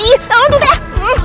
ya lo tuh teh